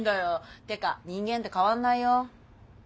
てか人間って変わんないよ。